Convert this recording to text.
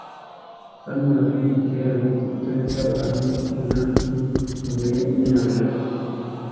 Hano hari igiterane gito cyabantu kumyatsi imbere yinyanja